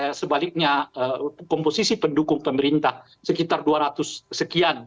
di dpr dan sebaliknya komposisi pendukung pemerintah sekitar dua ratus sekian